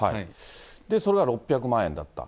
それが６００万円だった。